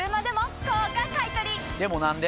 でも何で？